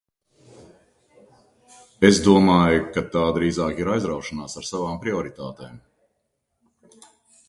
Es domāju, ka tā drīzāk ir aizraušanās ar savām prioritātēm.